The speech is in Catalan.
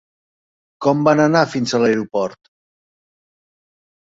Com van anar fins a l'aeroport?